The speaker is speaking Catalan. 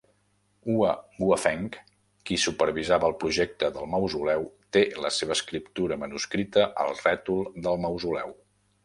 Hua Guofeng, qui supervisava el projecte del mausoleu, té la seva escriptura manuscrita al rètol del mausoleu.